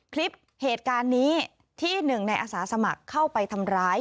คลิปเหตุการณ์นี้ที่หนึ่งในอาสาสมัครเข้าไปทำร้าย